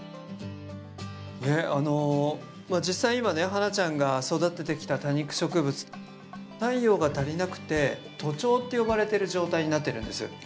実際今ね花奈ちゃんが育ててきた多肉植物太陽が足りなくて徒長って呼ばれてる状態になってるんです。